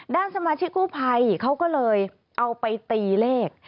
ด้านสมาชิกกู้ภัยเขาก็เลยเอาไปตีเลข